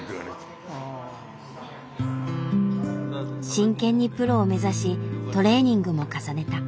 真剣にプロを目指しトレーニングも重ねた。